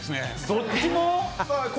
どっちも？